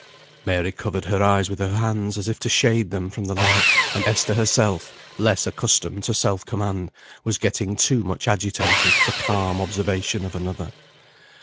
Mary covered her eyes with her hands, as if to shade them from the light, and Esther herself, less accustomed to self command, was getting too much agitated for calm observation of another.